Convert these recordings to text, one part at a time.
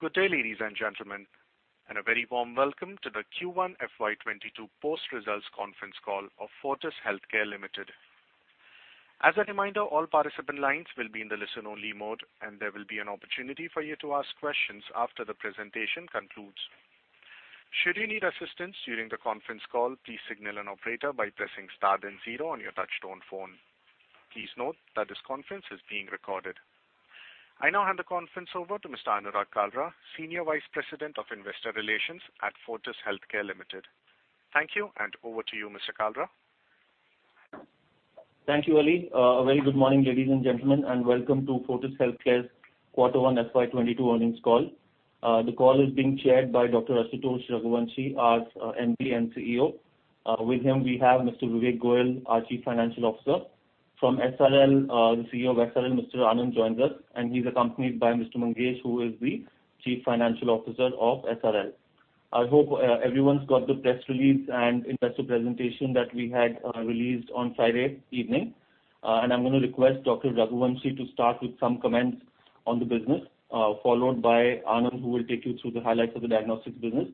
Good day, ladies and gentlemen, and a very warm welcome to the Q1 FY 2022 Post-Results Conference Call of Fortis Healthcare Limited. As a reminder, all participant lines will be in the listen-only mode, and there will be an opportunity for you to ask questions after the presentation concludes. Should you need assistance during the conference call, please signal an operator by pressing star then zero on your touch-tone phone. Please note that this conference is being recorded. I now hand the conference over to Mr. Anurag Kalra, Senior Vice President of Investor Relations at Fortis Healthcare Limited. Thank you, and over to you, Mr. Kalra. Thank you, Ali. A very good morning, ladies and gentlemen, welcome to Fortis Healthcare's Quarter One FY 2022 Earnings Call. The call is being Chaired by Dr. Ashutosh Raghuvanshi, our MD and CEO. With him, we have Mr. Vivek Kumar Goyal, our Chief Financial Officer. From SRL, the CEO of SRL, Mr. Anand joins us, he's accompanied by Mr. Mangesh, who is the Chief Financial Officer of SRL. I hope everyone's got the press release and investor presentation that we had released on Friday evening. I'm going to request Dr. Raghuvanshi to start with some comments on the business, followed by Anand, who will take you through the highlights of the diagnostics business.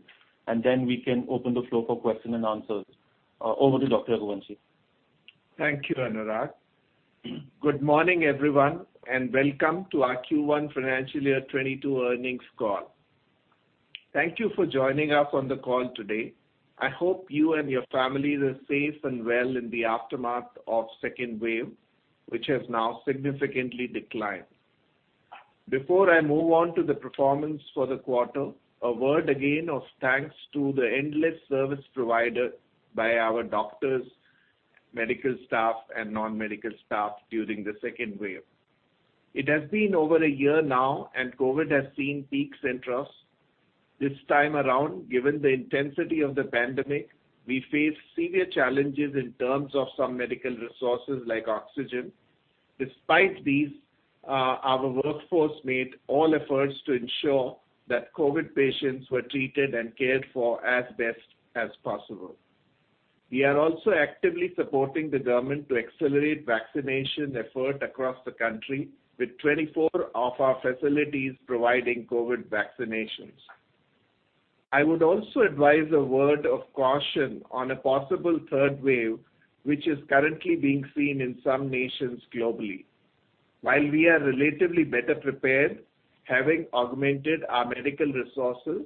Then we can open the floor for question and answers. Over to Dr. Raghuvanshi. Thank you, Anurag. Good morning, everyone, welcome to our Q1 Financial Year 2022 Earnings Call. Thank you for joining us on the call today. I hope you and your families are safe and well in the aftermath of second wave, which has now significantly declined. Before I move on to the performance for the quarter, a word again of thanks to the endless service provided by our doctors, medical staff, and non-medical staff during the second wave. It has been over a year now, COVID has seen peaks and troughs. This time around, given the intensity of the pandemic, we faced severe challenges in terms of some medical resources like oxygen. Despite these, our workforce made all efforts to ensure that COVID patients were treated and cared for as best as possible. We are also actively supporting the government to accelerate vaccination effort across the country, with 24 of our facilities providing COVID vaccinations. I would also advise a word of caution on a possible third wave, which is currently being seen in some nations globally. While we are relatively better prepared, having augmented our medical resources,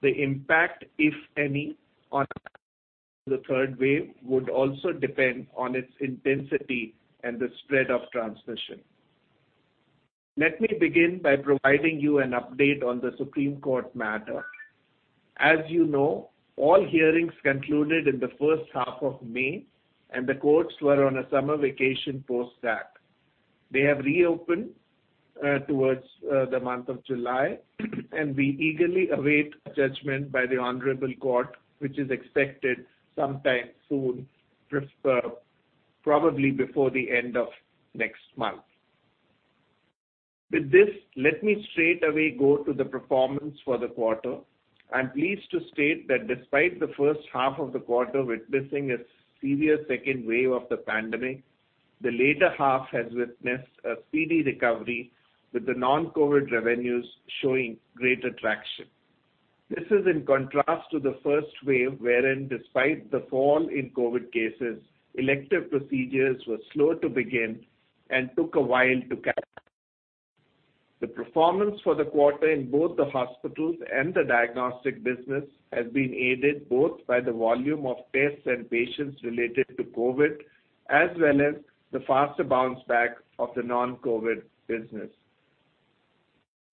the impact, if any, on the third wave would also depend on its intensity and the spread of transmission. Let me begin by providing you an update on the Supreme Court matter. As you know, all hearings concluded in the first half of May, and the courts were on a summer vacation post that. They have reopened towards the month of July, and we eagerly await judgment by the Honorable Court, which is expected sometime soon, probably before the end of next month. With this, let me straight away go to the performance for the quarter. I'm pleased to state that despite the first half of the quarter witnessing a severe second wave of the pandemic, the later half has witnessed a speedy recovery, with the non-COVID revenues showing great traction. This is in contrast to the first wave, wherein despite the fall in COVID cases, elective procedures were slow to begin and took a while to catch. The performance for the quarter in both the hospitals and the diagnostic business has been aided both by the volume of tests and patients related to COVID, as well as the faster bounce back of the non-COVID business.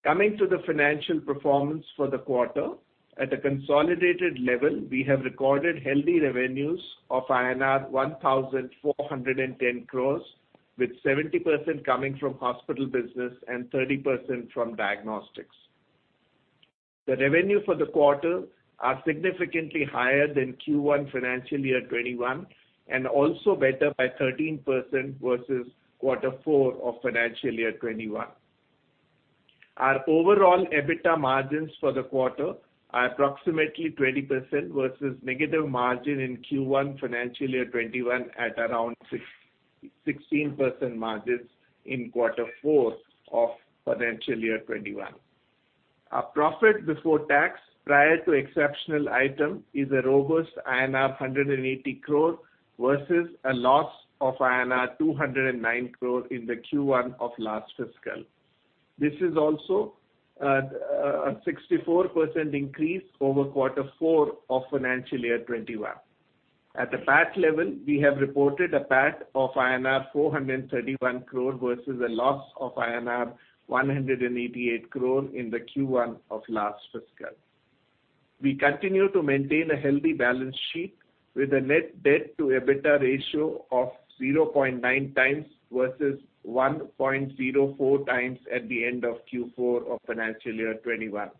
Coming to the financial performance for the quarter. At a consolidated level, we have recorded healthy revenues of INR 1,410 crores, with 70% coming from hospital business and 30% from diagnostics. The revenue for the quarter are significantly higher than Q1 FY 2021, and also better by 13% versus Q4 FY 2021. Our overall EBITDA margins for the quarter are approximately 20% versus negative margin in Q1 FY 2021 at around 16% margins in Q4 FY 2021. Our profit before tax prior to exceptional item is a robust INR 180 crore versus a loss of INR 209 crore in the Q1 of last fiscal. This is also a 64% increase over Q4 FY 2021. At the PAT level, we have reported a PAT of INR 431 crore versus a loss of INR 188 crore in the Q1 of last fiscal. We continue to maintain a healthy balance sheet with a net debt to EBITDA ratio of 0.9x versus 1.04x at the end of Q4 FY 2021.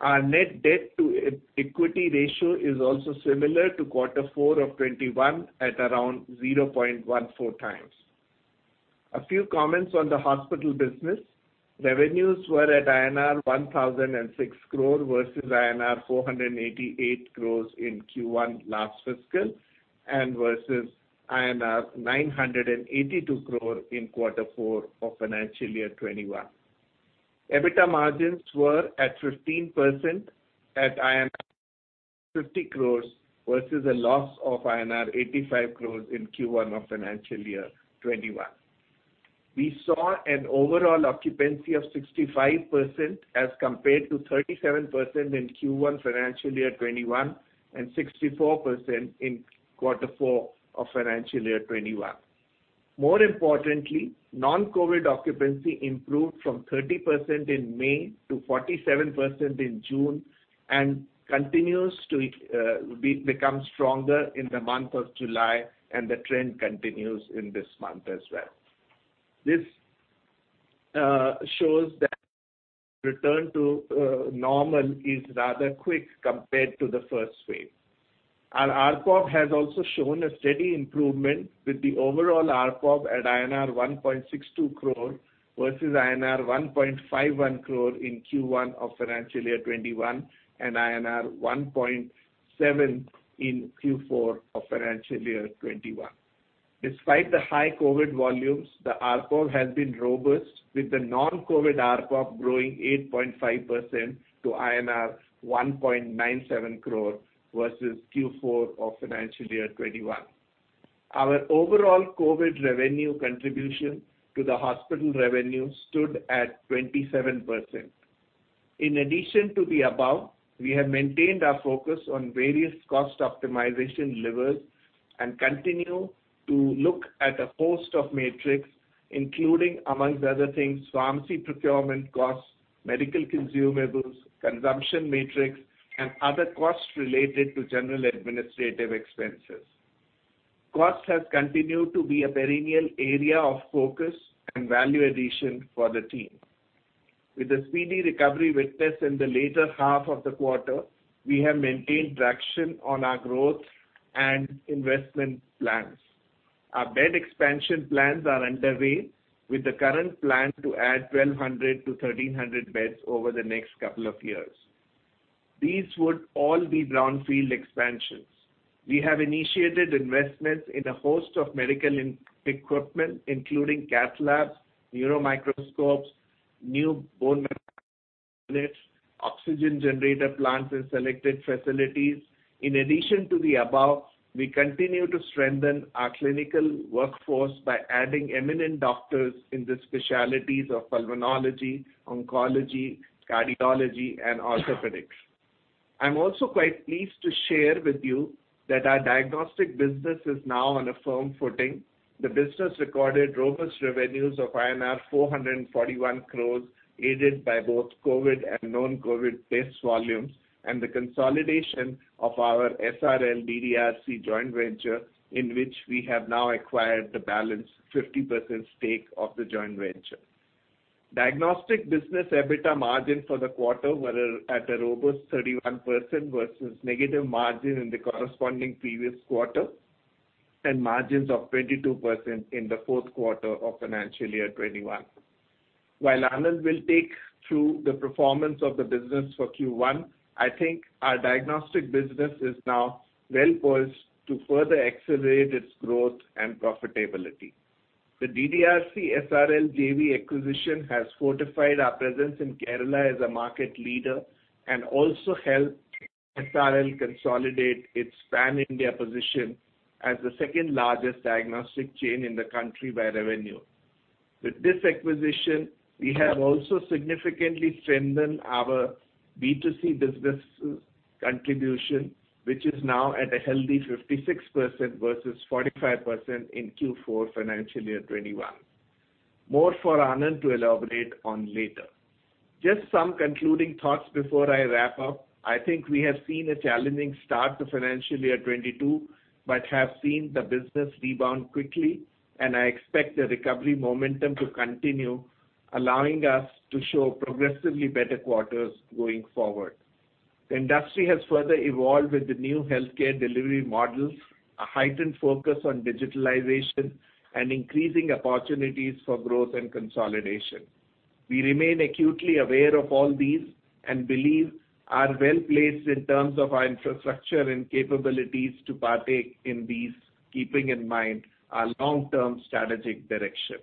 Our net debt to equity ratio is also similar to Q4 of 2021 at around 0.14x. A few comments on the hospital business. Revenues were at INR 1,006 crore versus INR 488 crore in Q1 last fiscal, and versus INR 982 crore in Q4 of financial year 2021. EBITDA margins were at 15% at INR 50 crore versus a loss of INR 85 crore in Q1 of financial year 2021. We saw an overall occupancy of 65% as compared to 37% in Q1 financial year 2021, and 64% in Q4 of financial year 2021. More importantly, non-COVID occupancy improved from 30% in May to 47% in June, and continues to become stronger in the month of July, and the trend continues in this month as well. This shows that return to normal is rather quick compared to the first wave. Our ARPOB has also shown a steady improvement with the overall ARPOB at INR 1.62 crore versus INR 1.51 crore in Q1 of financial year 2021, and INR 1.7 in Q4 of financial year 2021. Despite the high COVID volumes, the ARPOB has been robust with the non-COVID ARPOB growing 8.5% to INR 1.97 crore versus Q4 of financial year 2021. Our overall COVID revenue contribution to the hospital revenue stood at 27%. In addition to the above, we have maintained our focus on various cost optimization levers and continue to look at a host of metrics, including amongst other things, pharmacy procurement costs, medical consumables, consumption metrics, and other costs related to general administrative expenses. Cost has continued to be a perennial area of focus and value addition for the team. With the speedy recovery witnessed in the later half of the quarter, we have maintained traction on our growth and investment plans. Our bed expansion plans are underway with the current plan to add 1,200 to 1,300 beds over the next couple of years. These would all be brownfield expansions. We have initiated investments in a host of medical equipment including cath labs, neuro microscopes, new bone oxygen generator plants in selected facilities. In addition to the above, we continue to strengthen our clinical workforce by adding eminent doctors in the specialties of pulmonology, oncology, cardiology, and orthopedics. I'm also quite pleased to share with you that our diagnostic business is now on a firm footing. The business recorded robust revenues of INR 441 crores, aided by both COVID and non-COVID test volumes, and the consolidation of our SRL-DDRC joint venture, in which we have now acquired the balance 50% stake of the joint venture. Diagnostic business EBITDA margin for the quarter were at a robust 31% versus negative margin in the corresponding previous quarter, and margins of 22% in the fourth quarter of financial year 2021. While Anand will take through the performance of the business for Q1, I think our diagnostic business is now well-poised to further accelerate its growth and profitability. The DDRC-SRL JV acquisition has fortified our presence in Kerala as a market leader and also helped SRL consolidate its pan-India position as the second-largest diagnostic chain in the country by revenue. With this acquisition, we have also significantly strengthened our B2C business contribution, which is now at a healthy 56% versus 45% in Q4 financial year 2021. More for Anand to elaborate on later. Just some concluding thoughts before I wrap up. I think we have seen a challenging start to financial year 2022, but have seen the business rebound quickly, and I expect the recovery momentum to continue, allowing us to show progressively better quarters going forward. The industry has further evolved with the new healthcare delivery models, a heightened focus on digitalization, and increasing opportunities for growth and consolidation. We remain acutely aware of all these and believe are well-placed in terms of our infrastructure and capabilities to partake in these, keeping in mind our long-term strategic direction.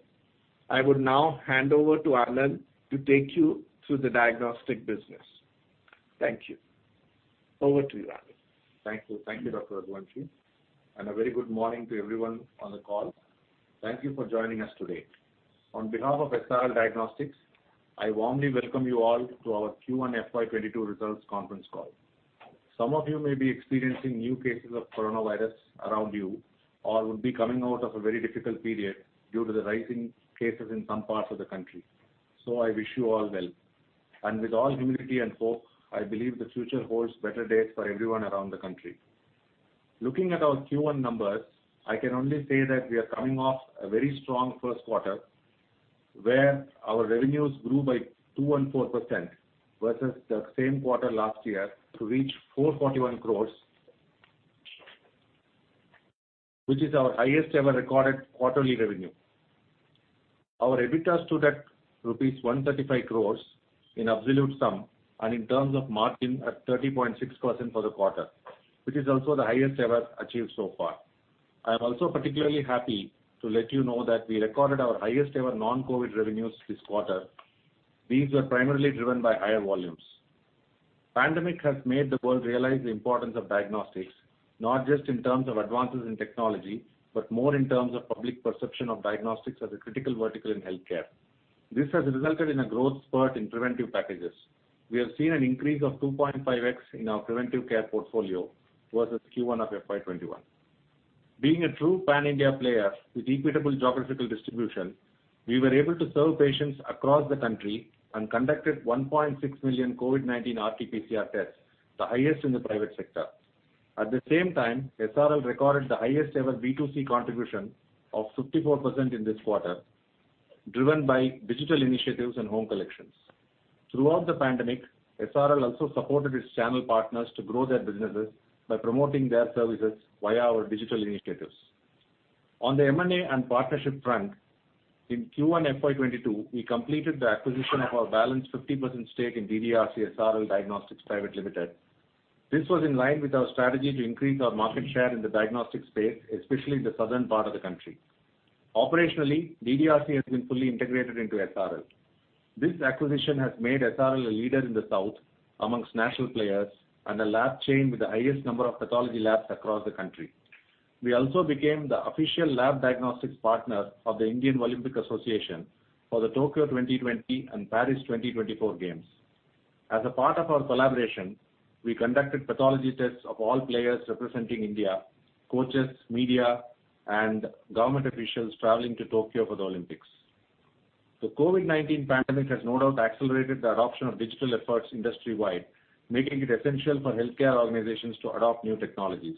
I would now hand over to Anand to take you through the diagnostic business. Thank you. Over to you, Anand. Thank you. Thank you, Ashutosh Raghuvanshi, and a very good morning to everyone on the call. Thank you for joining us today. On behalf of SRL Diagnostics, I warmly welcome you all to our Q1 FY 2022 results conference call. Some of you may be experiencing new cases of coronavirus around you, or would be coming out of a very difficult period due to the rising cases in some parts of the country. I wish you all well. With all humility and hope, I believe the future holds better days for everyone around the country. Looking at our Q1 numbers, I can only say that we are coming off a very strong first quarter, where our revenues grew by 204% versus the same quarter last year to reach 441 crore, which is our highest ever recorded quarterly revenue. Our EBITDA stood at rupees 135 crores in absolute sum, and in terms of margin at 30.6% for the quarter, which is also the highest ever achieved so far. I am also particularly happy to let you know that we recorded our highest ever non-COVID revenues this quarter. These were primarily driven by higher volumes. Pandemic has made the world realize the importance of diagnostics, not just in terms of advances in technology, but more in terms of public perception of diagnostics as a critical vertical in healthcare. This has resulted in a growth spurt in preventive packages. We have seen an increase of 2.5x in our preventive care portfolio versus Q1 of FY 2021. Being a true pan-India player with equitable geographical distribution, we were able to serve patients across the country and conducted 1.6 million COVID-19 RT-PCR tests, the highest in the private sector. At the same time, SRL recorded the highest ever B2C contribution of 54% in this quarter, driven by digital initiatives and home collections. Throughout the pandemic, SRL also supported its channel partners to grow their businesses by promoting their services via our digital initiatives. On the M&A and partnership front, in Q1 FY 2022, we completed the acquisition of our balanced 50% stake in DDRC SRL Diagnostics Private Limited. This was in line with our strategy to increase our market share in the diagnostic space, especially in the southern part of the country. Operationally, DDRC has been fully integrated into SRL. This acquisition has made SRL a leader in the South amongst national players and a lab chain with the highest number of pathology labs across the country. We also became the official lab diagnostics partner of the Indian Olympic Association for the Tokyo 2020 and Paris 2024 games. As a part of our collaboration, we conducted pathology tests of all players representing India, coaches, media, and government officials traveling to Tokyo for the Olympics. The COVID-19 pandemic has no doubt accelerated the adoption of digital efforts industry-wide, making it essential for healthcare organizations to adopt new technologies.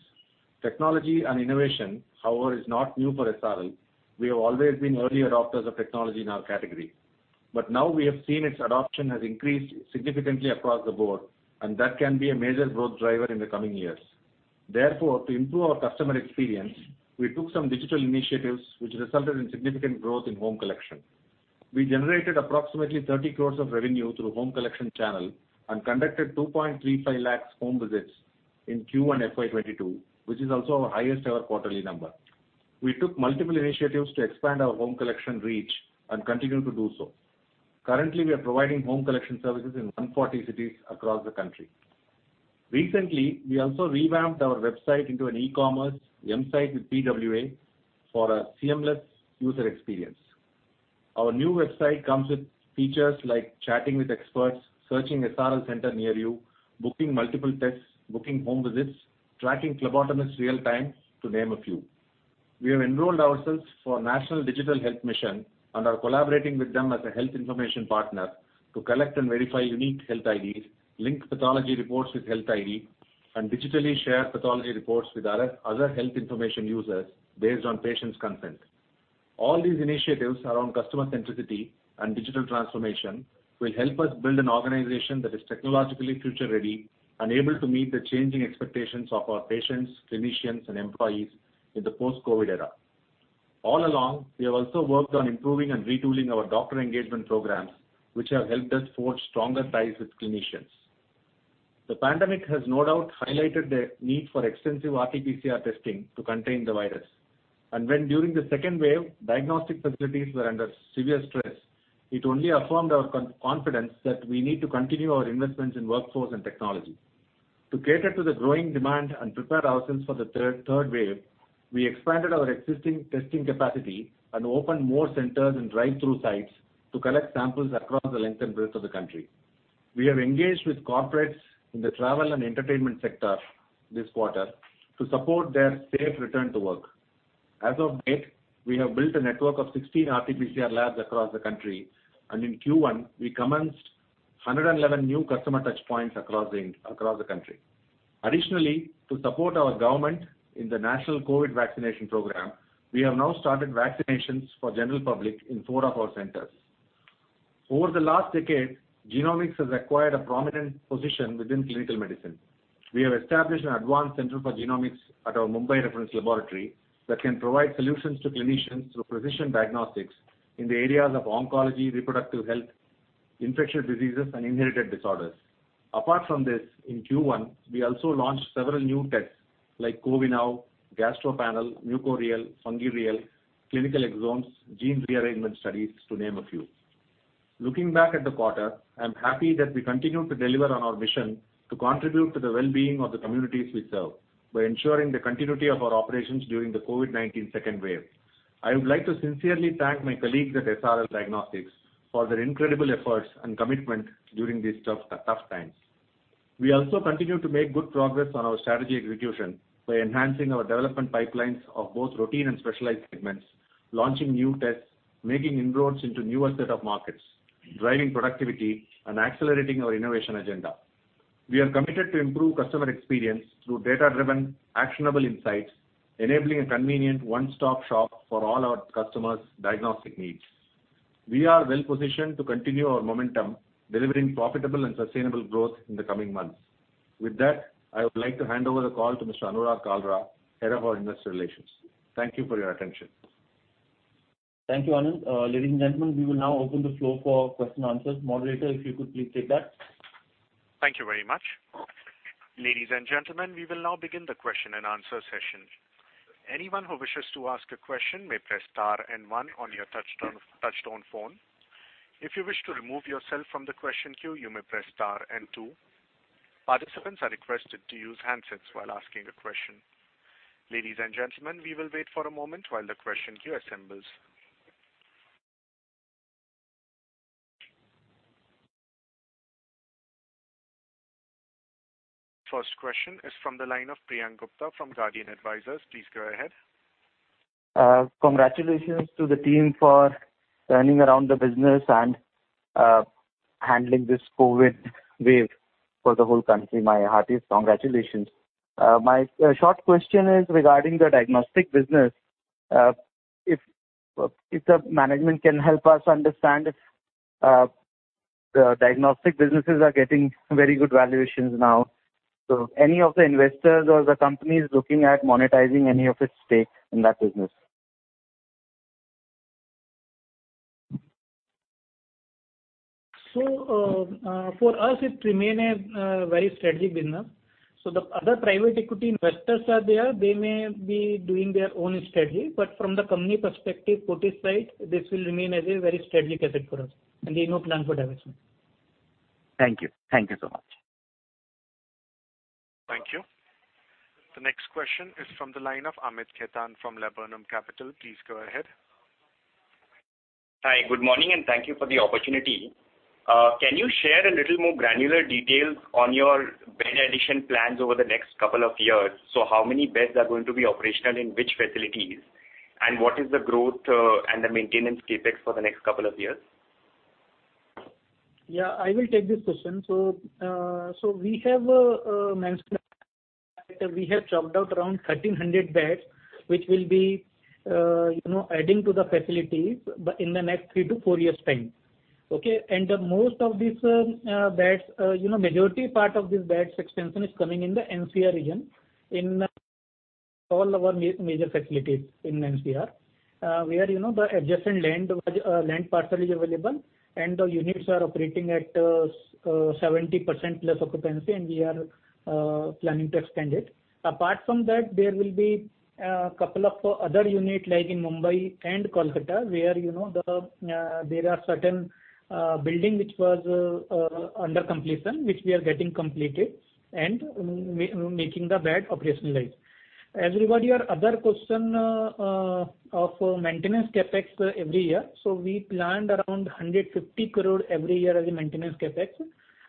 Technology and innovation, however, is not new for SRL. We have always been early adopters of technology in our category. Now we have seen its adoption has increased significantly across the board, and that can be a major growth driver in the coming years. To improve our customer experience, we took some digital initiatives, which resulted in significant growth in home collection. We generated approximately 30 crores of revenue through home collection channel and conducted 2.35 lakhs home visits in Q1 FY 2022, which is also our highest ever quarterly number. We took multiple initiatives to expand our home collection reach and continue to do so. Currently, we are providing home collection services in 140 cities across the country. Recently, we also revamped our website into an e-commerce mSite with PWA for a seamless user experience. Our new website comes with features like chatting with experts, searching SRL center near you, booking multiple tests, booking home visits, tracking phlebotomist real time, to name a few. We have enrolled ourselves for National Digital Health Mission and are collaborating with them as a health information partner to collect and verify unique health IDs, link pathology reports with health ID, and digitally share pathology reports with other health information users based on patient's consent. All these initiatives around customer centricity and digital transformation will help us build an organization that is technologically future ready and able to meet the changing expectations of our patients, clinicians, and employees in the post-COVID era. All along, we have also worked on improving and retooling our doctor engagement programs, which have helped us forge stronger ties with clinicians. The pandemic has no doubt highlighted the need for extensive RT-PCR testing to contain the virus, and when during the second wave, diagnostic facilities were under severe stress, it only affirmed our confidence that we need to continue our investments in workforce and technology. To cater to the growing demand and prepare ourselves for the third wave, we expanded our existing testing capacity and opened more centers and drive-through sites to collect samples across the length and breadth of the country. We have engaged with corporates in the travel and entertainment sector this quarter to support their safe return to work. As of date, we have built a network of 16 RT-PCR labs across the country, and in Q1, we commenced 111 new customer touchpoints across the country. To support our government in the National COVID Vaccination Program, we have now started vaccinations for general public in four of our centers. Over the last decade, genomics has acquired a prominent position within clinical medicine. We have established an advanced center for genomics at our Mumbai reference laboratory that can provide solutions to clinicians through precision diagnostics in the areas of oncology, reproductive health, infectious diseases, and inherited disorders. In Q1, we also launched several new tests like CoviGnost, GastroPanel, Mucorales Real-time PCR, FungiReal, clinical exomes, gene rearrangement studies, to name a few. Looking back at the quarter, I'm happy that we continued to deliver on our mission to contribute to the well-being of the communities we serve by ensuring the continuity of our operations during the COVID-19 second wave. I would like to sincerely thank my colleagues at SRL Diagnostics for their incredible efforts and commitment during these tough times. We also continue to make good progress on our strategy execution by enhancing our development pipelines of both routine and specialized segments, launching new tests, making inroads into newer set of markets, driving productivity, and accelerating our innovation agenda. We are committed to improve customer experience through data-driven, actionable insights, enabling a convenient one-stop shop for all our customers' diagnostic needs. We are well positioned to continue our momentum, delivering profitable and sustainable growth in the coming months. With that, I would like to hand over the call to Mr. Anurag Kalra, head of our investor relations. Thank you for your attention. Thank you, Anand. Ladies and gentlemen, we will now open the floor for question and answers. Moderator, if you could please take that. Thank you very much. Ladies and gentlemen, we will now begin the question and answer session. Anyone who wishes to ask a question may press star and one on your touchtone phone. If you wish to remove yourself from the question queue, you may press star and two. Participants are requested to use handsets while asking a question. Ladies and gentlemen, we will wait for a moment while the question queue assembles. First question is from the line of Priyank Gupta from Guardian Advisors. Please go ahead. Congratulations to the team for turning around the business and handling this COVID wave for the whole country. My heartiest congratulations. My short question is regarding the diagnostic business. If the Management can help us understand if the diagnostic businesses are getting very good valuations now. Any of the investors or the company is looking at monetizing any of its stake in that business? For us, it remain a very strategic business. The other private equity investors are there, they may be doing their own strategy. From the company perspective, Fortis side, this will remain as a very strategic asset for us, and there's no plan for divestment. Thank you. Thank you so much. Thank you. The next question is from the line of Amit Khetan from Laburnum Capital. Please go ahead. Hi. Good morning, and thank you for the opportunity. Can you share a little more granular details on your bed addition plans over the next couple of years? How many beds are going to be operational in which facilities, and what is the growth and the maintenance CapEx for the next couple of years? Yeah, I will take this question. We have mentioned that we have chalked out around 1,300 beds, which we will be adding to the facilities in the next three to four years' time. Okay? Majority part of this beds extension is coming in the NCR region, in all our major facilities in NCR, where the adjacent land parcel is available and the units are operating at 70%+ occupancy, and we are planning to expand it. Apart from that, there will be couple of other unit like in Mumbai and Kolkata, where there are certain building which was under completion, which we are getting completed and making the bed operationalized. As regard your other question of maintenance CapEx every year, we planned around 150 crore every year as a maintenance CapEx.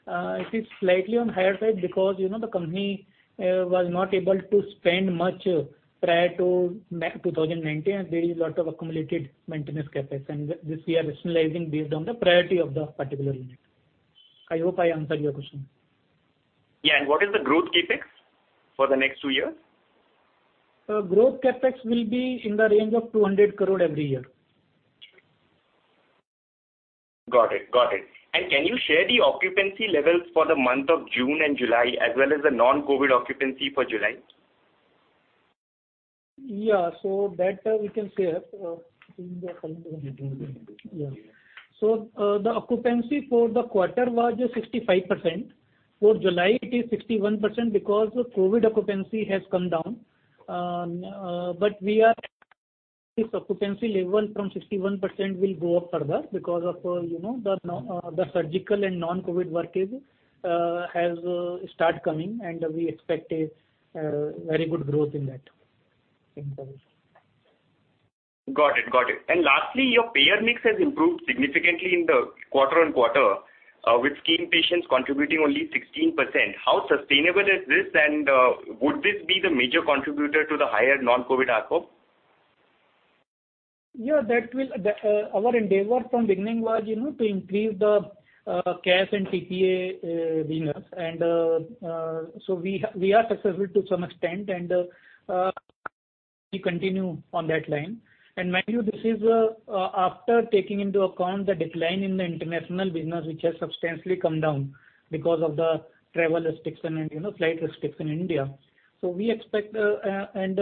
It is slightly on higher side because the company was not able to spend much prior to 2019, and there is lot of accumulated maintenance CapEx, and this we are rationalizing based on the priority of the particular unit. I hope I answered your question. Yeah. What is the growth CapEx for the next 2 years? Growth CapEx will be in the range of 200 crore every year. Got it. Can you share the occupancy levels for the month of June and July as well as the non-COVID occupancy for July? Yeah. The occupancy for the quarter was 65%. For July it is 61% because of COVID occupancy has come down. We are occupancy level from 61% will go up further because of the surgical and non-COVID work is has start coming and we expect a very good growth in that. Got it. Lastly, your payer mix has improved significantly in the quarter-on-quarter, with scheme patients contributing only 16%. How sustainable is this, and would this be the major contributor to the higher non-COVID ARPOB? Our endeavor from beginning was to increase the cash and TPA business. We are successful to some extent, and we continue on that line. Mind you, this is after taking into account the decline in the international business, which has substantially come down because of the travel restriction and flight restriction in India. We expect and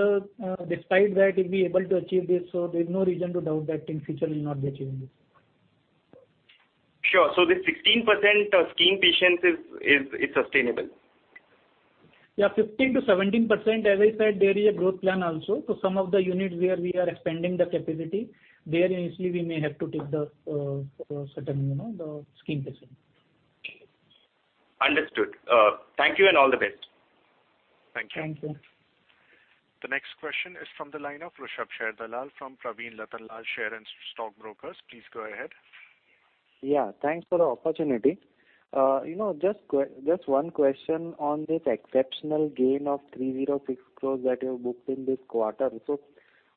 despite that, we'll be able to achieve this, so there's no reason to doubt that in future we'll not be achieving this. Sure. This 16% scheme patients is sustainable? Yeah, 15%-17%. As I said, there is a growth plan also. Some of the units where we are expanding the capacity, there initially we may have to take the certain scheme patient. Understood. Thank you, and all the best. Thank you. The next question is from the line of Rushabh Dalal from Pravin Ratilal Share and Stock Brokers. Please go ahead. Yeah, thanks for the opportunity. Just one question on this exceptional gain of 306 crores that you've booked in this quarter.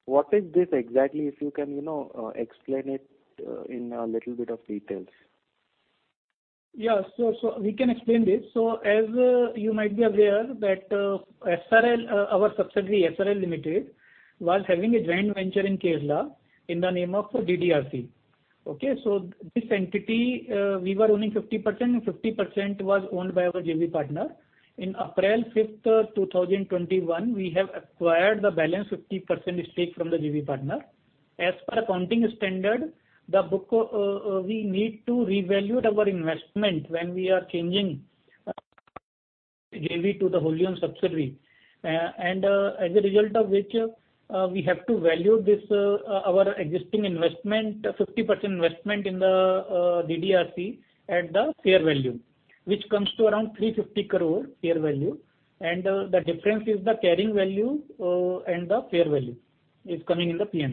What is this exactly, if you can explain it in a little bit of details? Yeah. We can explain this. As you might be aware that our subsidiary, SRL Limited, was having a joint venture in Kerala in the name of DDRC. Okay, this entity, we were owning 50%, and 50% was owned by our JV partner. In April 5th, 2021, we have acquired the balance 50% stake from the JV partner. As per accounting standard, we need to revalue our investment when we are changing JV to the wholly-owned subsidiary. As a result of which, we have to value our existing investment, 50% investment in the DDRC at the fair value, which comes to around 350 crore fair value. The difference is the carrying value and the fair value is coming in the P&L.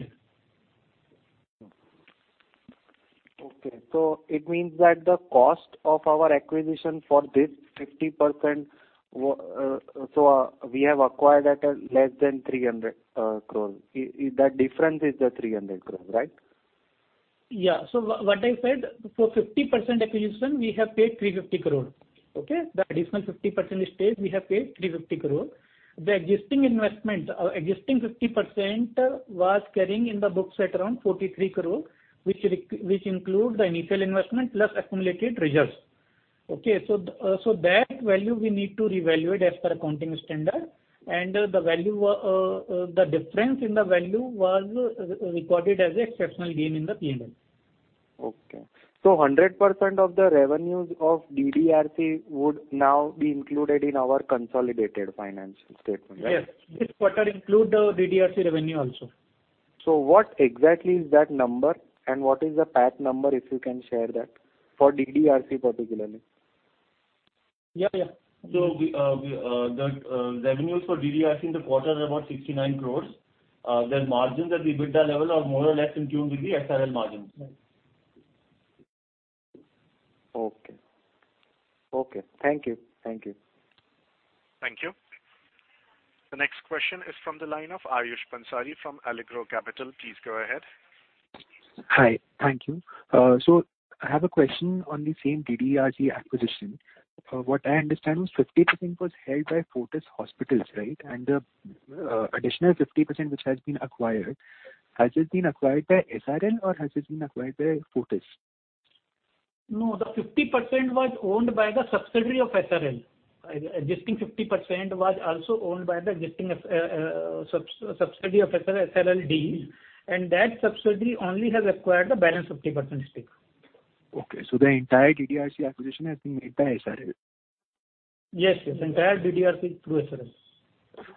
Okay. It means that the cost of our acquisition for this 50% we have acquired at less than 300 crore. That difference is the 300 crore, right? Yeah. What I said, for 50% acquisition, we have paid 350 crore. Okay. The additional 50% stake, we have paid 350 crore. The existing investment, our existing 50% was carrying in the books at around 43 crore, which includes the initial investment plus accumulated reserves. Okay, that value we need to revalue it as per accounting standard. The difference in the value was recorded as an exceptional gain in the P&L. Okay. 100% of the revenues of DDRC would now be included in our consolidated financial statement, right? Yes. This quarter include the DDRC revenue also. What exactly is that number and what is the PAT number, if you can share that for DDRC particularly? Yeah. The revenues for DDRC in the quarter are about 69 crores. Their margins at the EBITDA level are more or less in tune with the SRL margins. Okay. Thank you. Thank you. The next question is from the line of Ayush Bansal from Allegro Capital. Please go ahead. Hi. Thank you. I have a question on the same DDRC acquisition. What I understand was 50% was held by Fortis Hospitals, right? Additional 50% which has been acquired, has it been acquired by SRL or has it been acquired by Fortis? No, the 50% was owned by the subsidiary of SRL. Existing 50% was also owned by the existing subsidiary of SRL, DEAL. That subsidiary only has acquired the balance 50% stake. Okay. The entire DDRC acquisition has been made by SRL. Yes. Entire DDRC is through SRL.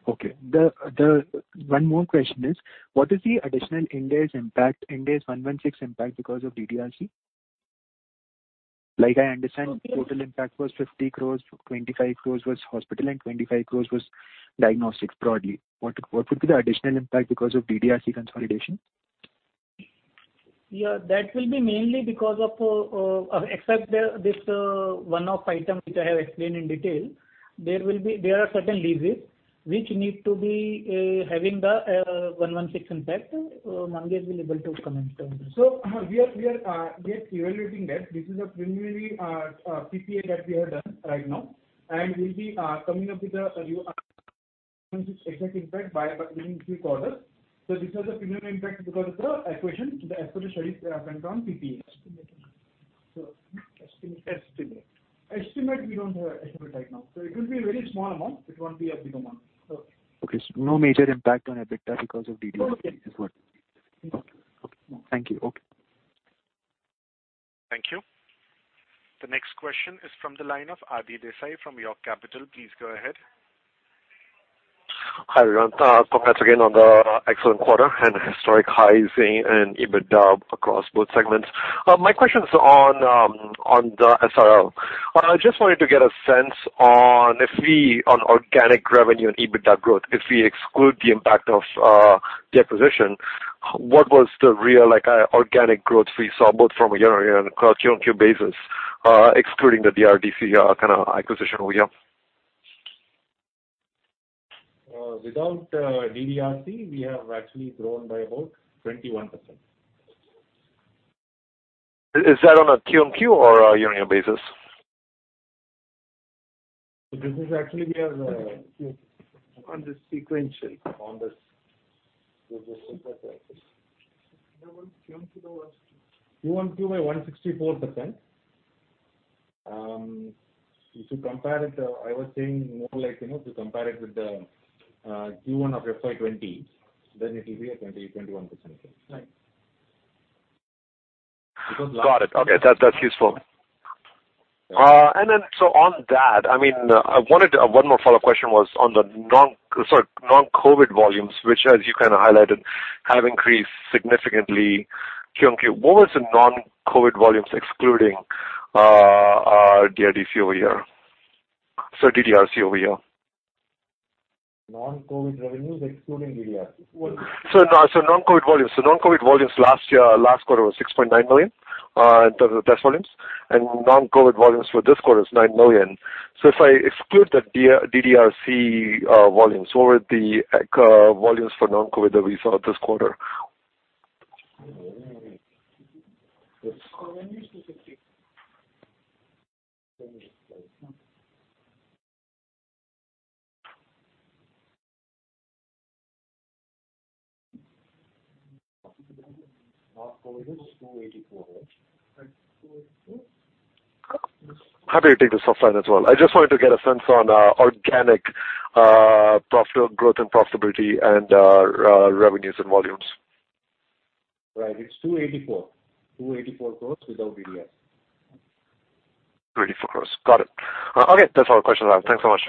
Okay. One more question is, what is the additional Ind AS impact, Ind AS 116 impact because of DDRC? Like I understand total impact was 60 crores, 25 crores was hospital and 25 crores was diagnostics broadly. What would be the additional impact because of DDRC consolidation? Yeah, that will be mainly because of Except this one-off item, which I have explained in detail, there are certain leases which need to be having the 116 impact. Mangesh will be able to comment on this. We are just evaluating that. This is a preliminary PPA that we have done right now. We'll be coming up with the exact impact by, I mean, three quarters. This was the primary impact because of the acquisition, as per the studies done on PPA. Estimate. Estimate, we don't have estimate right now. It will be a very small amount. It won't be a bigger amount. Okay. No major impact on EBITDA because of DDRC. No. Okay. Thank you. Thank you. The next question is from the line of Adi Desai from York Capital. Please go ahead. Hi, everyone. Congrats again on the excellent quarter and historic highs in EBITDA across both segments. My question is on the SRL. I just wanted to get a sense on organic revenue and EBITDA growth. If we exclude the impact of the acquisition, what was the real organic growth we saw both from a year-on-year and a quarter-on-quarter basis, excluding the DDRC acquisition over here? Without DDRC, we have actually grown by about 21%. Is that on a QOQ or a year-on-year basis? This is actually on the sequential. QOQ by 164%. If you compare it, I was saying more like, if you compare it with the Q1 of FY 2020, then it will be a 20%-21%. Got it. Okay. That's useful. On that, one more follow-up question was on the non-COVID volumes, which as you highlighted have increased significantly QOQ. What was the non-COVID volumes excluding DDRC over here, sorry, DDRC over here? Non-COVID revenues excluding DDRC. Non-COVID volumes last quarter was 6.9 million in terms of test volumes, and non-COVID volumes for this quarter is 9 million. If I exclude the DDRC volumes, what were the volumes for non-COVID that we saw this quarter? Happy to take this offline as well. I just wanted to get a sense on organic growth and profitability and revenues and volumes. Right. It's 284. 284 crores without DDRC. 284 crores. Got it. Okay, that's all the questions I have. Thanks so much.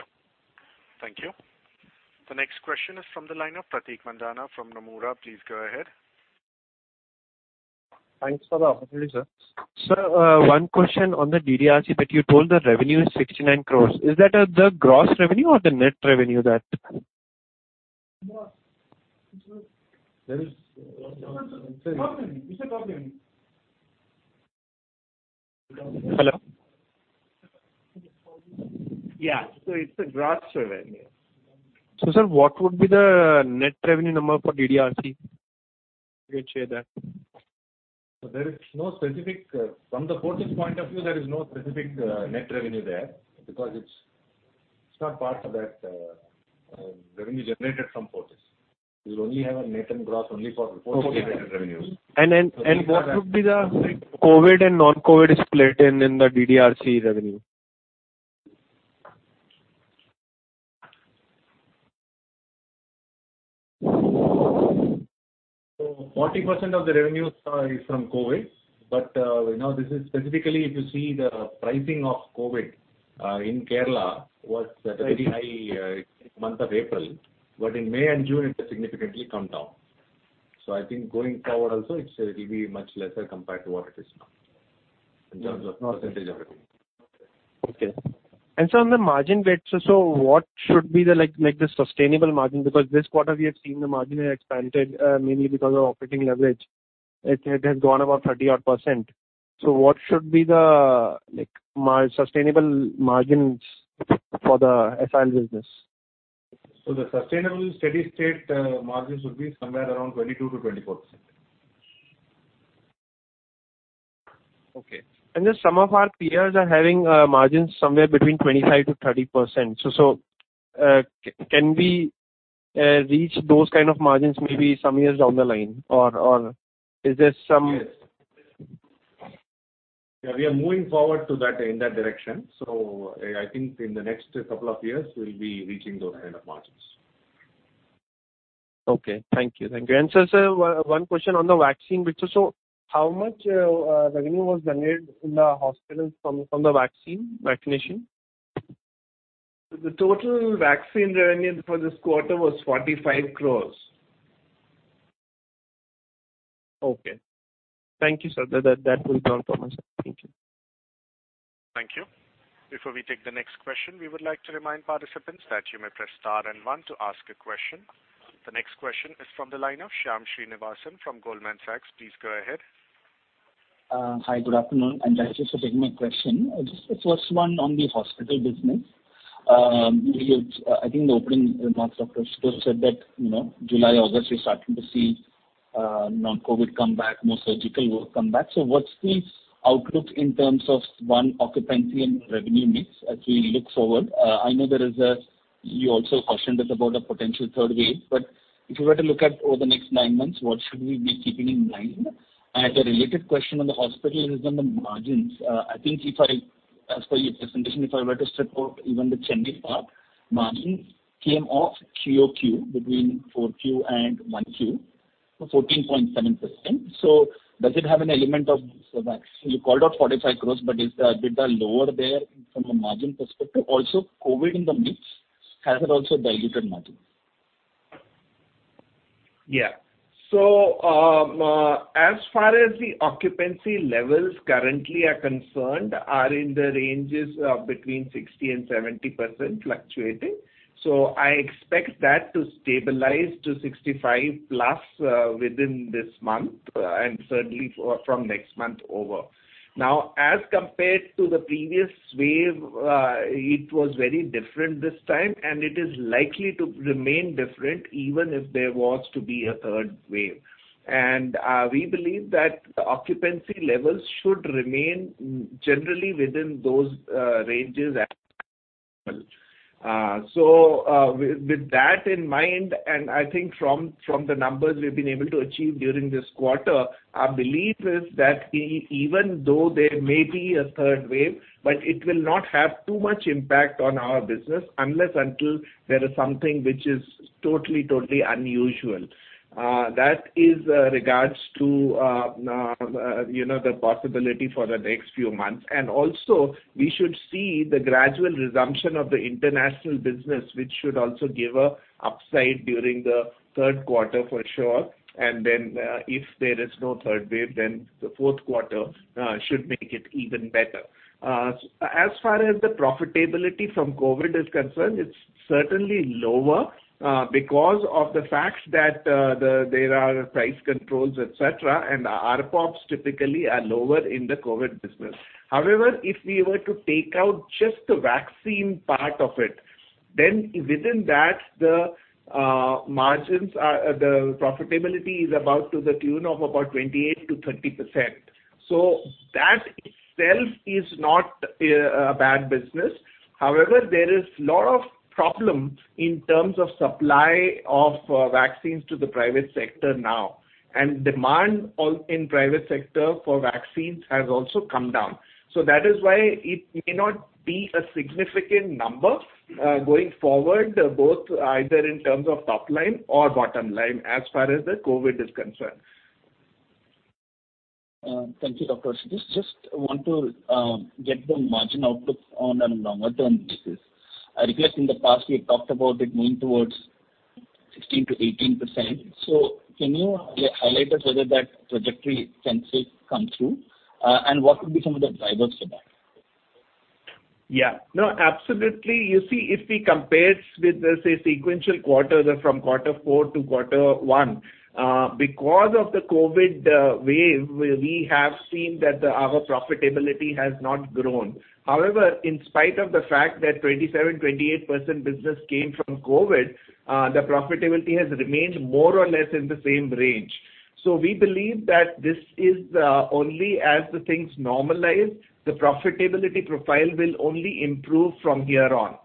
Thank you. The next question is from the line of Pratik Mandhana from Nomura. Please go ahead. Thanks for the opportunity, sir. Sir, one question on the DDRC that you told the revenue is 69 crores. Is that the gross revenue or the net revenue there? Yeah. It's the gross revenue. Sir, what would be the net revenue number for DDRC? Could you share that? From the Fortis point of view, there is no specific net revenue there because it is not part of that revenue generated from Fortis. We will only have a net and gross only for Fortis-generated revenues. What would be the COVID and non-COVID split in the DDRC revenue? 40% of the revenue is from COVID, but now this is specifically if you see the pricing of COVID in Kerala was at a very high in the month of April. In May and June, it has significantly come down. I think going forward also, it will be much lesser compared to what it is now in terms of percentage of revenue. Okay. Sir, on the margin bit, what should be the sustainable margin? Because this quarter we have seen the margin has expanded mainly because of operating leverage. It has gone about 30% odd. What should be the sustainable margins for the SRL business? The sustainable steady state margins would be somewhere around 22%-24%. Okay. Some of our peers are having margins somewhere between 25%-30%. Can we reach those kind of margins maybe some years down the line? Yes. We are moving forward in that direction. I think in the next two years, we'll be reaching those kind of margins. Okay. Thank you. Sir, one question on the vaccine bit. How much revenue was generated in the hospital from the vaccine, vaccination? The total vaccine revenue for this quarter was 45 crores. Okay. Thank you, sir. That will be all from my side. Thank you. Thank you. Before we take the next question, we would like to remind participants that you may press star and one to ask a question. The next question is from the line of Shyam Srinivasan from Goldman Sachs. Please go ahead. Hi. Good afternoon. Thanks for taking my question. Just the first one on the hospital business. I think in the opening remarks, Dr. Ashutosh Raghuvanshi said that July, August, we're starting to see non-COVID come back, more surgical work come back. What's the outlook in terms of, one, occupancy and revenue mix as we look forward? I know you also cautioned us about a potential third wave, but if you were to look at over the next nine months, what should we be keeping in mind? I had a related question on the hospital business on the margins. As per your presentation, if I were to strip out even the Chennai part, margins came off QoQ between 4Q and 1Q, so 14.7%. Does it have an element of vaccine? You called out 45 crores. Is the EBITDA lower there from a margin perspective? Also, COVID in the mix, has it also diluted margins? As far as the occupancy levels currently are concerned, are in the ranges of between 60% and 70% fluctuating. I expect that to stabilize to 65%+ within this month, and certainly from next month over. As compared to the previous wave, it was very different this time, and it is likely to remain different even if there was to be a third wave. We believe that the occupancy levels should remain generally within those ranges. With that in mind, and I think from the numbers we've been able to achieve during this quarter, our belief is that even though there may be a third wave, but it will not have too much impact on our business unless until there is something which is totally unusual. That is regards to the possibility for the next few months. Also we should see the gradual resumption of the international business, which should also give a upside during the third quarter for sure. If there is no third wave, then the fourth quarter should make it even better. As far as the profitability from COVID is concerned, it's certainly lower because of the fact that there are price controls, et cetera, and ARPOB typically are lower in the COVID business. However, if we were to take out just the vaccine part of it-Within that, the profitability is about to the tune of about 28%-30%. That itself is not a bad business. However, there is lot of problems in terms of supply of vaccines to the private sector now, and demand in private sector for vaccines has also come down. That is why it may not be a significant number going forward both either in terms of top line or bottom line, as far as the COVID is concerned. Thank you, Dr. Ashutosh. Just want to get the margin outlook on a longer-term basis. I request in the past we had talked about it moving towards 16%-18%. Can you highlight us whether that trajectory can still come through, and what could be some of the drivers for that? Yeah. No, absolutely. You see, if we compare with the, say, sequential quarters or from quarter four to quarter one, because of the COVID wave, we have seen that our profitability has not grown. In spite of the fact that 27%-28% business came from COVID, the profitability has remained more or less in the same range. We believe that this is the only, as the things normalize, the profitability profile will only improve from here on.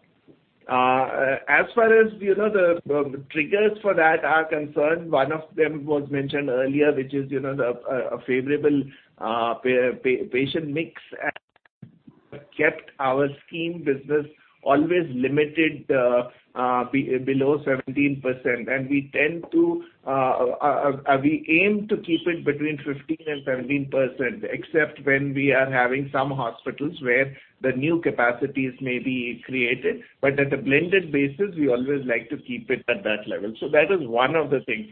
As far as the triggers for that are concerned, one of them was mentioned earlier, which is the favorable patient mix and kept our scheme business always limited below 17%. We aim to keep it between 15% and 17%, except when we are having some hospitals where the new capacities may be created. At a blended basis, we always like to keep it at that level. That is one of the things.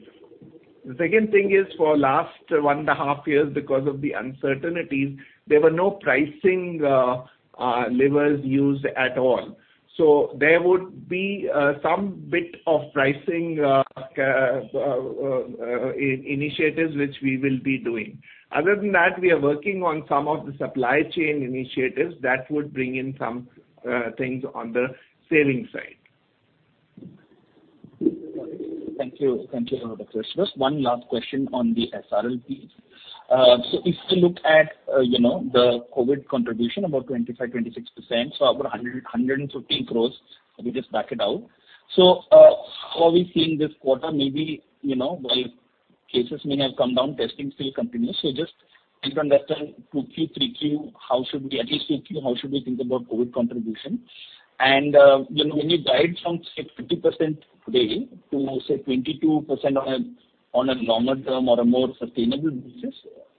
The second thing is for last 1 and a half years, because of the uncertainties, there were no pricing levers used at all. There would be some bit of pricing initiatives which we will be doing. Other than that, we are working on some of the supply chain initiatives that would bring in some things on the savings side. Thank you, Dr. Shish. One last question on the SRL piece. If you look at the COVID contribution, about 25%, 26%, about 115 crores, we just back it out. How are we seeing this quarter? Maybe while cases may have come down, testing still continues. Just to understand, 2Q, 3Q, at least 3Q, how should we think about COVID contribution? When you guide from, say, 50% today to, say, 22% on a longer term or a more sustainable basis,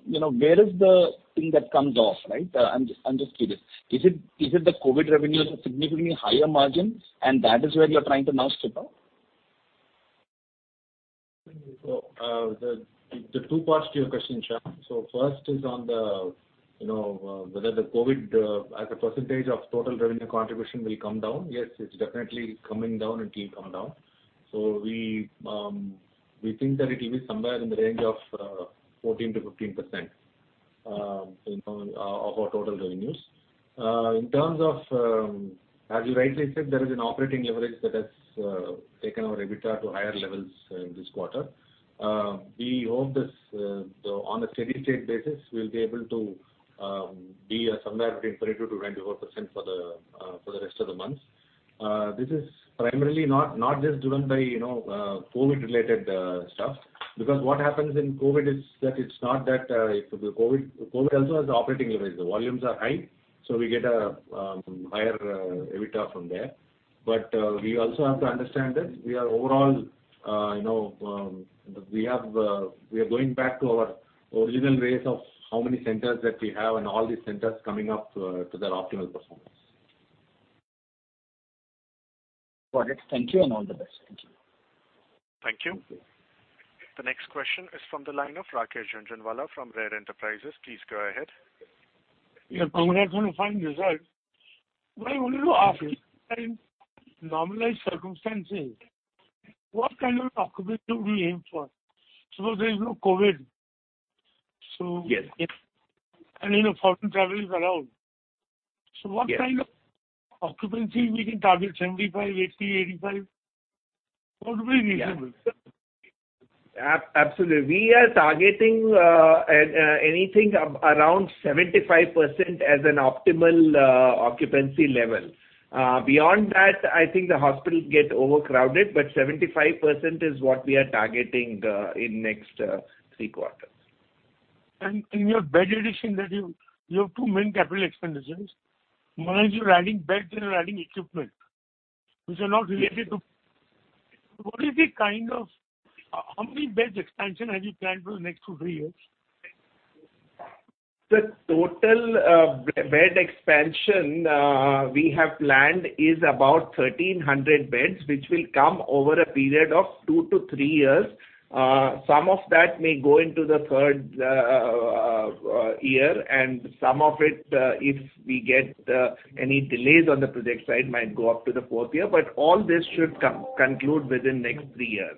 where is the thing that comes off? I'm just curious. Is it the COVID revenues have significantly higher margins, and that is where you're trying to now strip out? The two parts to your question, Shyam Srinivasan. First is on whether the COVID as a percentage of total revenue contribution will come down. Yes, it's definitely coming down and keep coming down. We think that it will be somewhere in the range of 14%-15% of our total revenues. In terms of, as you rightly said, there is an operating leverage that has taken our EBITDA to higher levels in this quarter. We hope this, on a steady state basis, we'll be able to be somewhere between 22%-24% for the rest of the months. This is primarily not just driven by COVID-related stuff because what happens in COVID is that COVID also has the operating leverage. The volumes are high, so we get a higher EBITDA from there. We also have to understand that we are going back to our original ways of how many centers that we have and all these centers coming up to their optimal performance. Got it. Thank you and all the best. Thank you. Thank you. The next question is from the line of Rakesh Jhunjhunwala from Rare Enterprises. Please go ahead. Yeah. Congrats on the fine results. I want to know after these kind of normalized circumstances, what kind of occupancy we aim for? Suppose there is no COVID. Yes. Foreign travel is allowed kind of occupancy we can target, 75%, 80%, 85%? What would be reasonable? Absolutely. We are targeting anything around 75% as an optimal occupancy level. Beyond that, I think the hospitals get overcrowded. 75% is what we are targeting in next three quarters. In your bed addition that you have two main CapEx. One is you're adding beds and you're adding equipment. How many beds expansion have you planned for the next two, three years? The total bed expansion we have planned is about 1,300 beds, which will come over a period of 2 to 3 years. Some of that may go into the 3rd year, and some of it if we get any delays on the project side, might go up to the 4th year. All this should conclude within next 3 years.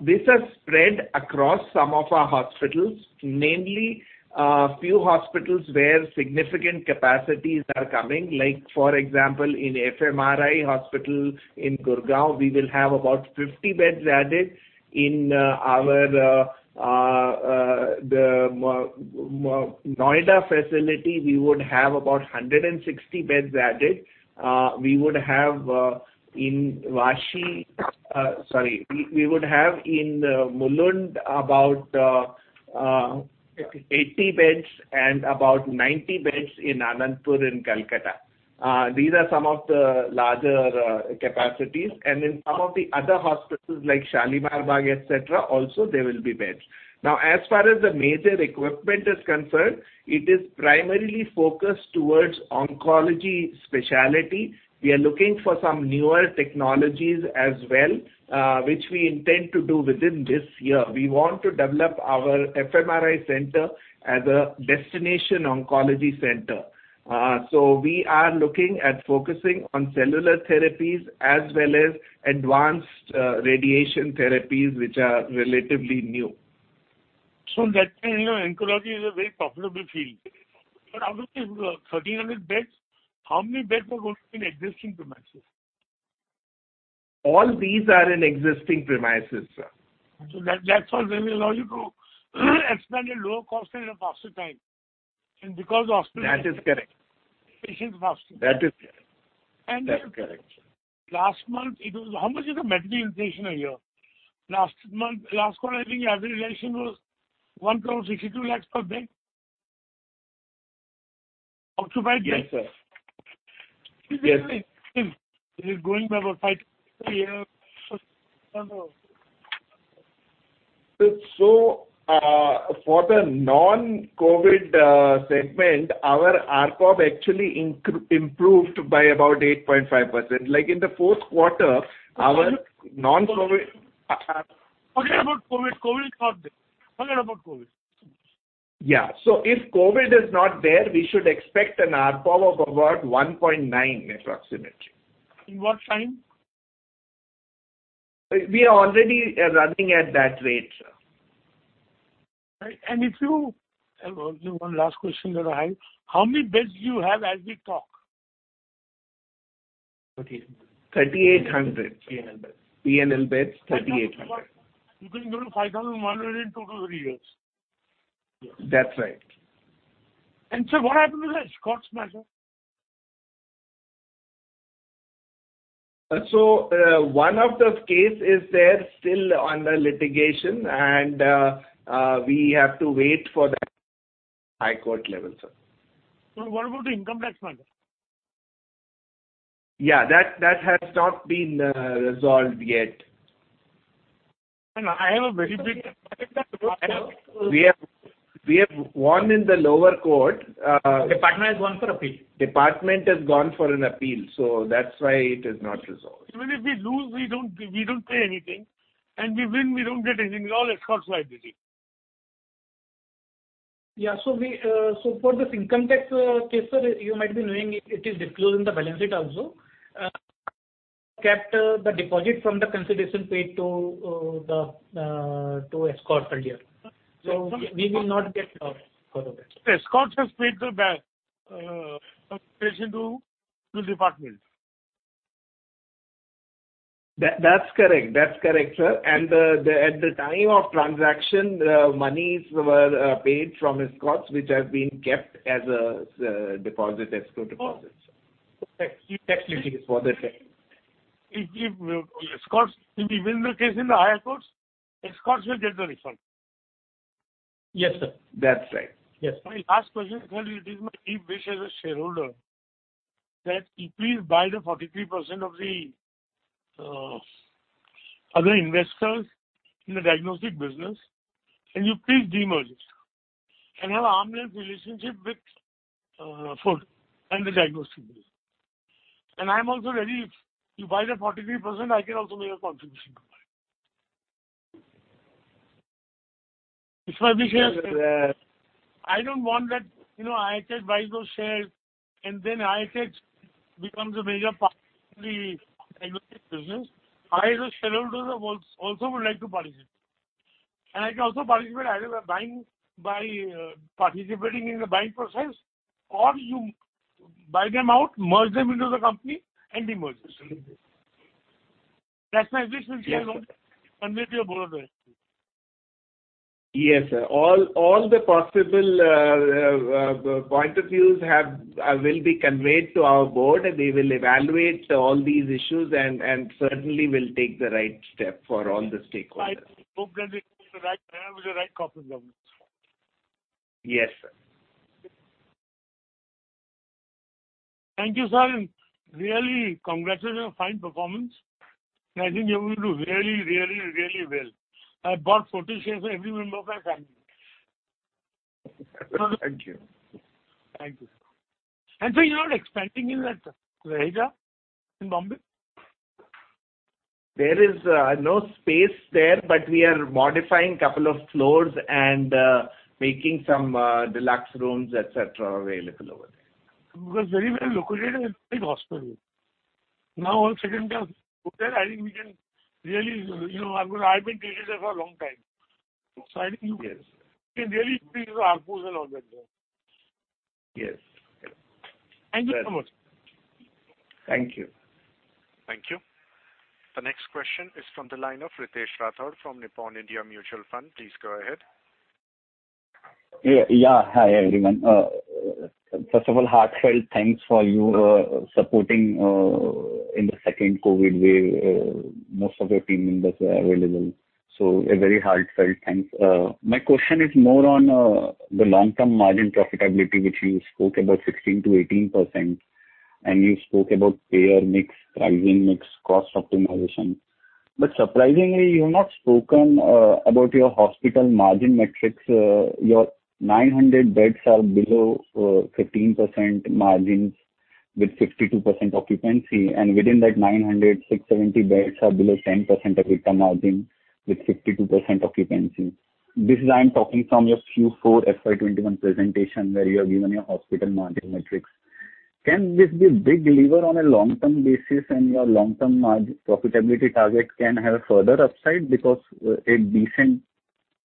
This has spread across some of our hospitals, namely a few hospitals where significant capacities are coming. Like for example, in FMRI Hospital in Gurgaon, we will have about 50 beds added in our Noida facility, we would have about 160 beds added. We would have in Mulund about 80 beds and about 90 beds in Anandpur in Kolkata. These are some of the larger capacities, and in some of the other hospitals like Shalimar Bagh etc., also there will be beds. Now, as far as the major equipment is concerned, it is primarily focused towards oncology specialty. We are looking for some newer technologies as well, which we intend to do within this year. We want to develop our FMRI center as a destination oncology center. So we are looking at focusing on cellular therapies as well as advanced radiation therapies, which are relatively new. That means oncology is a very profitable field. Out of these 1,300 beds, how many beds are going to be in existing premises? All these are in existing premises, sir. That's what will allow you to expand at lower cost and in faster time. Because the hospital- That is correct. How much is the medical inflation a year? Last quarter, I think average inflation was 162 lakhs per bed, occupied bed. Yes, sir. Yes. It is going by about five a year. For the non-COVID segment, our ARPOB actually improved by about 8.5%. In the fourth quarter, our non-COVID. Forget about COVID. COVID is not there. Forget about COVID. Yeah. If COVID is not there, we should expect an ARPOB of about 1.9 approximately. In what time? We are already running at that rate, sir. One last question that I have. How many beds do you have as we talk? 3,800. 3,800. P&L beds, 3,800. You can go to INR 5,100 in two to three years. That's right. Sir, what happened to the Escorts matter? One of the case is there, still under litigation, and we have to wait for the High Court level, sir. What about the income tax matter? Yeah, that has not been resolved yet. I have a very big. We have won in the lower court. Department has gone for appeal. Department has gone for an appeal, so that's why it is not resolved. Even if we lose, we don't pay anything, and we win, we don't get anything. It's all Escorts liability. Yeah. For this income tax case, sir, you might be knowing it is disclosed in the balance sheet also. We kept the deposit from the consideration paid to Escorts earlier. We will not get out for that. Escorts has paid the bank consideration to department. That's correct, sir. At the time of transaction, monies were paid from Escorts, which have been kept as escrow deposits. Technically, yes. If we win the case in the higher courts, Escorts will get the refund. Yes, sir. That's right. Yes. My last question, sir. It is my deep wish as a shareholder that you please buy the 43% of the other investors in the diagnostic business, and you please demerge it. Have arm's length relationship with Fortis and the diagnostic business. I'm also ready. If you buy that 43%, I can also make a contribution to buy it. It's my wish as a shareholder. I don't want that IHH buys those shares and then IHH becomes a major partner in the diagnostic business. I, as a shareholder, also would like to participate. I can also participate either by participating in the buying process, or you buy them out, merge them into the company, and demerge it. That's my wish as a shareholder. Convey to your board. Yes, sir. All the possible point of views will be conveyed to our board. We will evaluate all these issues and certainly will take the right step for all the stakeholders. I hope then we take the right step with the right corporate governance. Yes, sir. Thank you, sir. Really congratulations on fine performance. I think you're going to do really, really, really well. I've bought Fortis shares for every member of my family. Thank you. Thank you, sir. Sir, you're not expanding in that S. L. Raheja in Mumbai? There is no space there, but we are modifying a couple of floors and making some deluxe rooms, et cetera, available over there. Very well located and a big hospital. Now all second jobs go there. I've been telling you that for a long time can really increase the ARPOB and all that. Thank you so much. Thank you. Thank you. The next question is from the line of Ritesh Rathod from Nippon India Mutual Fund. Please go ahead. Hi, everyone. First of all, heartfelt thanks for your support in the second COVID wave. Most of your team members were available. A very heartfelt thanks. My question is more on the long-term margin profitability, which you spoke about 16%-18%. You spoke about payer mix, pricing mix, cost optimization. Surprisingly, you have not spoken about your hospital margin metrics. Your 900 beds are below 15% margins with 52% occupancy, and within that 900, 670 beds are below 10% EBITDA margin with 52% occupancy. This is, I'm talking from your Q4 FY 2021 presentation where you have given your hospital margin metrics. Can this be a big lever on a long-term basis, and your long-term margin profitability target can have further upside because a decent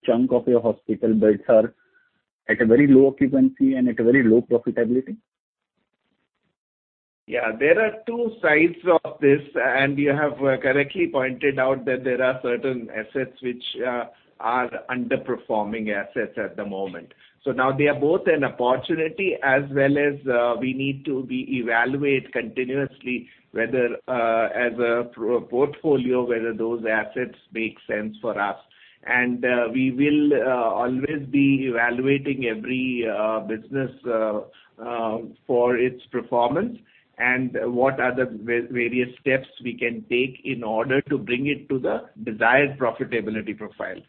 chunk of your hospital beds are at a very low occupancy and at a very low profitability? Yeah, there are two sides of this, and you have correctly pointed out that there are certain assets which are underperforming assets at the moment. Now they are both an opportunity as well as we need to evaluate continuously, as a portfolio, whether those assets make sense for us. We will always be evaluating every business for its performance and what are the various steps we can take in order to bring it to the desired profitability profile.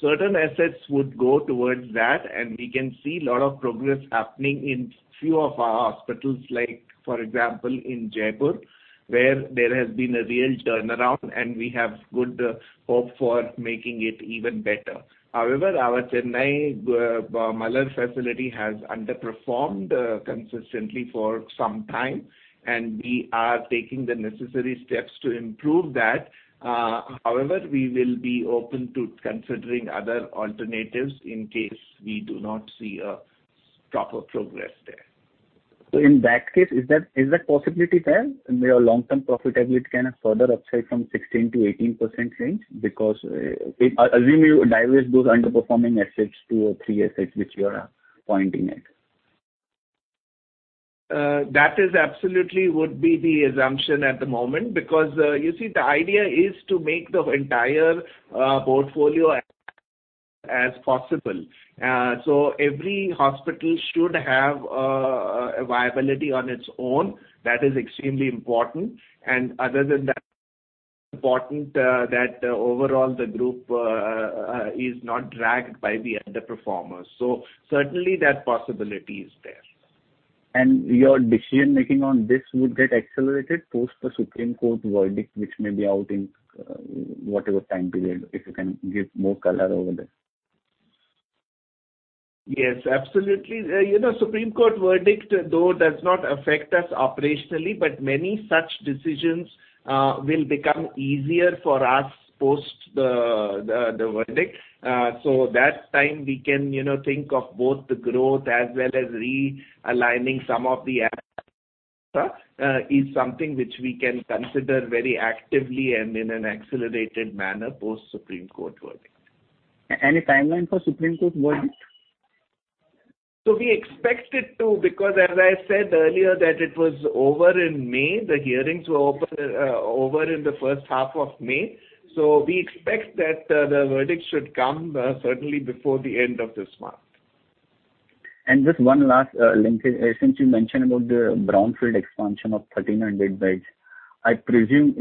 Certain assets would go towards that, and we can see lot of progress happening in few of our hospitals, like for example, in Jaipur, where there has been a real turnaround, and we have good hope for making it even better. However, our Chennai Malar facility has underperformed consistently for some time, and we are taking the necessary steps to improve that. We will be open to considering other alternatives in case we do not see a proper progress there. In that case, is that possibility there that your long-term profitability can have further upside from 16%-18% range because, assuming you divest those underperforming assets, two or three assets which you are pointing at. That is absolutely would be the assumption at the moment because you see, the idea is to make the entire portfolio as possible. Every hospital should have a viability on its own. That is extremely important. Other than that, important that overall the group is not dragged by the underperformers. Certainly that possibility is there. Your decision-making on this would get accelerated post the Supreme Court verdict, which may be out in whatever time period, if you can give more color over there. Yes, absolutely. Supreme Court verdict, though, does not affect us operationally, but many such decisions will become easier for us post the verdict. That time we can think of both the growth as well as realigning some of the assets is something which we can consider very actively and in an accelerated manner post Supreme Court verdict. Any timeline for Supreme Court verdict? We expect it to, because as I said earlier that it was over in May, the hearings were over in the first half of May. We expect that the verdict should come certainly before the end of this month. Just 1 last link. Since you mentioned about the brownfield expansion of 1,300 beds, I presume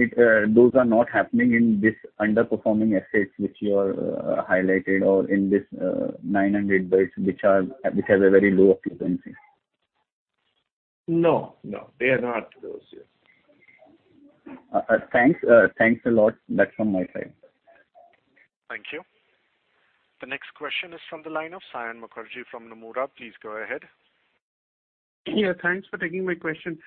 those are not happening in this underperforming assets which you highlighted or in this 900 beds which has a very low occupancy. No. They are not those, yes. Thanks. Thanks a lot. That's from my side. Thank you. The next question is from the line of Saion Mukherjee from Nomura. Please go ahead. Thanks for taking my question.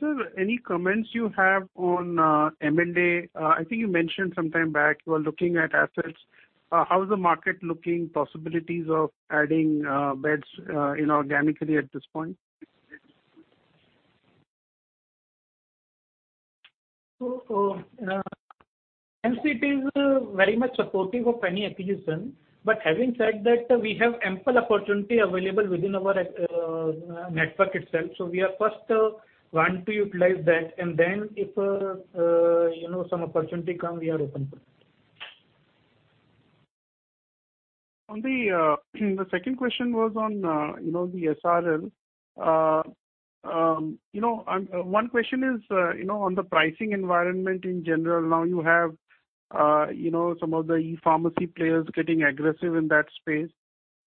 Sir, any comments you have on M&A? I think you mentioned some time back you are looking at assets. How is the market looking, possibilities of adding beds inorganically at this point? Management it is very much supportive of any acquisition. Having said that, we have ample opportunity available within our network itself. We are first want to utilize that, if some opportunity come, we are open to it. The second question was on the SRL. One question is on the pricing environment in general. Now you have some of the e-pharmacy players getting aggressive in that space.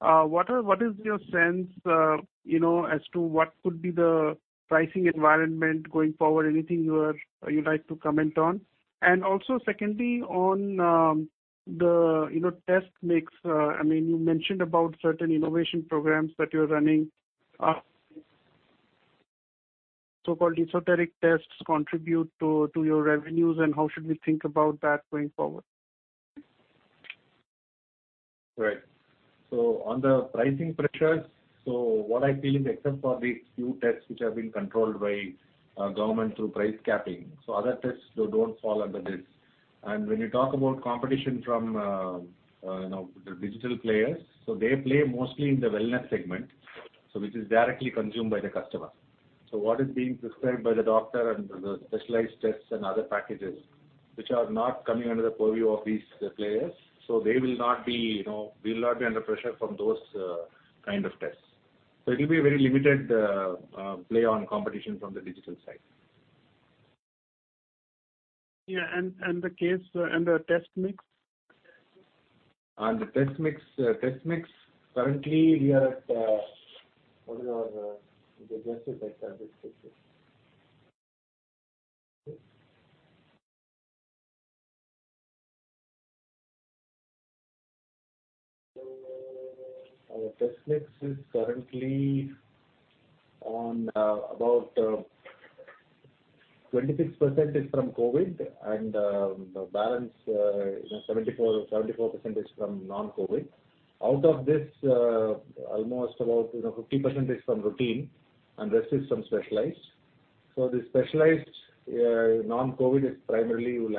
What is your sense as to what could be the pricing environment going forward? Anything you'd like to comment on? Also secondly, on the test mix, you mentioned about certain innovation programs that you're running. So-called esoteric tests contribute to your revenues, and how should we think about that going forward? Right. On the pricing pressures, what I feel is except for the few tests which have been controlled by government through price capping. Other tests don't fall under this. When you talk about competition from the digital players, they play mostly in the wellness segment, which is directly consumed by the customer. What is being prescribed by the doctor and the specialized tests and other packages, which are not coming under the purview of these players. We will not be under pressure from those kind of tests. It will be a very limited play on competition from the digital side. Yeah, the test mix? On the test mix, currently we are at What is our adjusted service mixes. Our test mix is currently on about 26% is from COVID, and the balance, 74% is from non-COVID. Out of this, almost about 50% is from routine, and the rest is from specialized. The specialized non-COVID is primarily will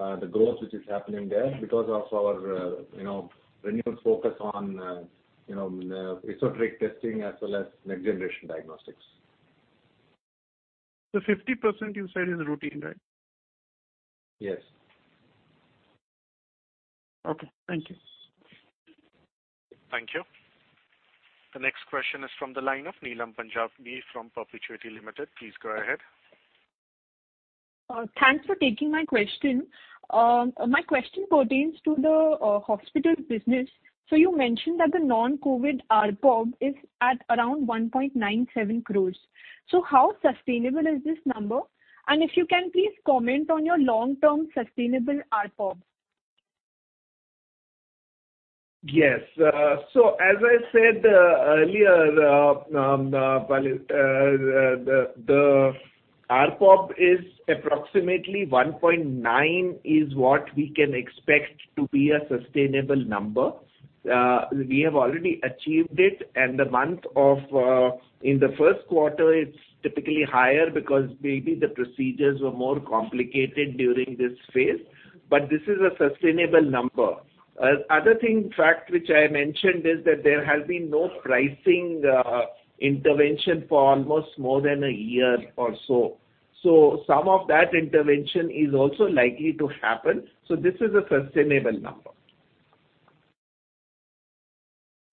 have the growth which is happening there because of our renewed focus on esoteric testing as well as next generation diagnostics. 50% you said is routine, right? Yes. Okay, thank you. Thank you. The next question is from the line of Neelam Punjabi from Perpetuity Ventures. Please go ahead. Thanks for taking my question. My question pertains to the hospital business. You mentioned that the non-COVID ARPOB is at around 1.97 crore. If you can, please comment on your long-term sustainable ARPOB. Yes. As I said earlier, the ARPOB is approximately 1.9 crore is what we can expect to be a sustainable number. We have already achieved it, and in the first quarter, it's typically higher because maybe the procedures were more complicated during this phase, but this is a sustainable number. Other thing, in fact, which I mentioned is that there has been no pricing intervention for almost more than a year or so. Some of that intervention is also likely to happen. This is a sustainable number.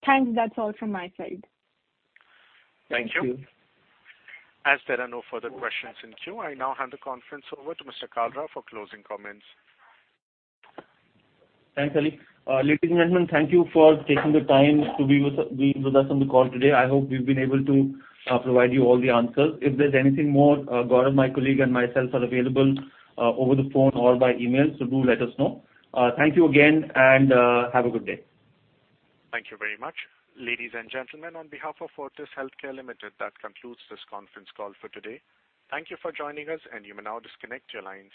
Thanks. That's all from my side. Thank you. As there are no further questions in queue, I now hand the conference over to Mr. Kalra for closing comments. Thanks, Ali. Ladies and gentlemen, thank you for taking the time to be with us on the call today. I hope we've been able to provide you all the answers. If there's anything more, Gaurav, my colleague, and myself are available over the phone or by email, do let us know. Thank you again, and have a good day. Thank you very much. Ladies and gentlemen, on behalf of Fortis Healthcare Limited, that concludes this conference call for today. Thank you for joining us, and you may now disconnect your lines.